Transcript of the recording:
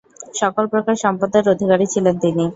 সকল প্রকার সম্পদের অধিকারী ছিলেন তিনি।